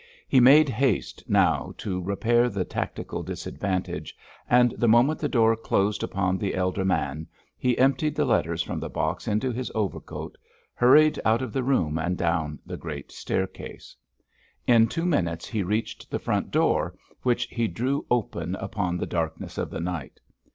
He made haste now to repair the tactical disadvantage, and the moment the door closed upon the elder man he emptied the letters from the box into his overcoat, hurried out of the room and down the great staircase. In two minutes he reached the front door, which he drew open upon the darkness of the night.